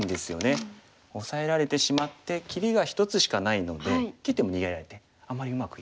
オサえられてしまって切りが１つしかないので切っても逃げられてあんまりうまくいかない。